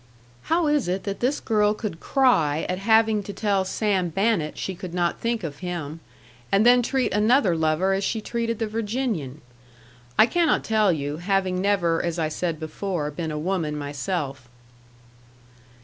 How is it that this girl could cry at having to tell Sam Bannett she could not think of him, and then treat another lover as she treated the Virginian? I cannot tell you, having never (as I said before) been a woman myself.